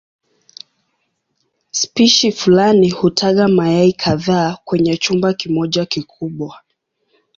Spishi fulani hutaga mayai kadhaa kwenye chumba kimoja kikubwa.